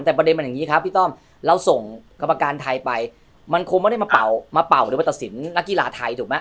แต่ประเด็นมันอย่างนี้ครับพี่ต้อมเราส่งกรรมการไทยไปมันคงไม่ได้มาเป่ามาเป่าหรือมาตัดสินนักกีฬาไทยถูกไหม